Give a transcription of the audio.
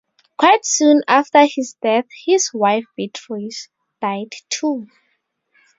Quite soon after his death his wife Beatrice died too.